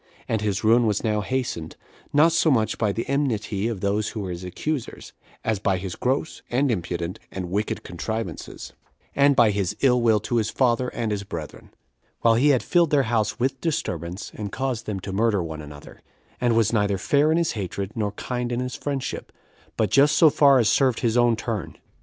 And his ruin was now hastened, not so much by the enmity of those that were his accusers, as by his gross, and impudent, and wicked contrivances, and by his ill will to his father and his brethren; while he had filled their house with disturbance, and caused them to murder one another; and was neither fair in his hatred, nor kind in his friendship, but just so far as served his own turn.